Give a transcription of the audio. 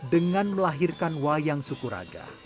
dengan melahirkan wayang sukuraga